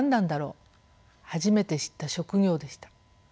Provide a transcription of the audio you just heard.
初めて知った職業でした。